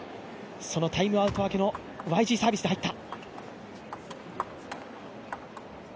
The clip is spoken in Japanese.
そのタイムアウト明けのＹＧサービスで入った。